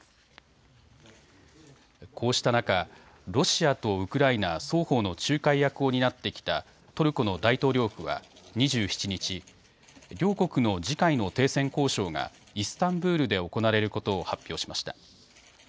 こうした中、ロシアとウクライナ双方の仲介役を担ってきたトルコの大統領府は２７日、両国の次回の停戦交渉がイスタンブールで行われることを発表しました。